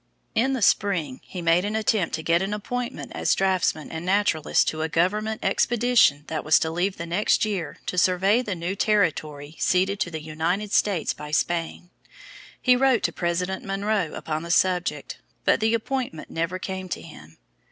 In the spring he made an attempt to get an appointment as draughtsman and naturalist to a government expedition that was to leave the next year to survey the new territory ceded to the United States by Spain. He wrote to President Monroe upon the subject, but the appointment never came to him.